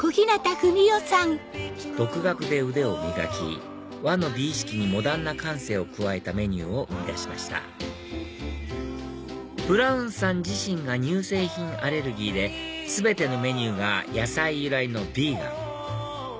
独学で腕を磨き和の美意識にモダンな感性を加えたメニューを生み出しましたブラウンさん自身が乳製品アレルギーで全てのメニューが野菜由来のビーガン